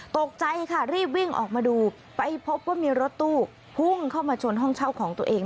ตกใจค่ะรีบวิ่งออกมาดูไปพบว่ามีรถตู้พุ่งเข้ามาชนห้องเช่าของตัวเอง